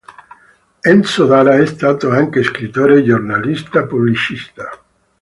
Enzo Dara è stato anche scrittore e giornalista pubblicista.